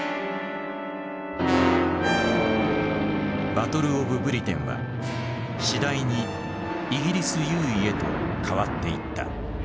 バトル・オブ・ブリテンは次第にイギリス優位へと変わっていった。